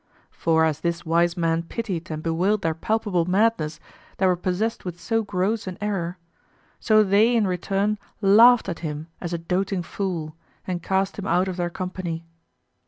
For as this wise man pitied and bewailed their palpable madness that were possessed with so gross an error, so they in return laughed at him as a doting fool and cast him out of their company.